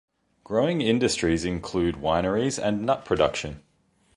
Growing industries include wineries and nut production.